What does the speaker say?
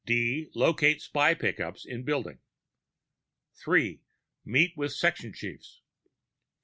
_ d) locate spy pickups in building 3. Meeting with section chiefs _4.